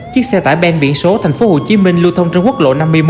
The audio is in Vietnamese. chiếc xe tải bên biển số tp hcm lưu thông trên quốc lộ năm mươi một